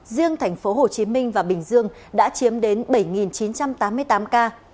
riêng thành phố hồ chí minh và bình dương đã chiếm đến bảy chín trăm tám mươi tám ca